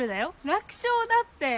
楽勝だって。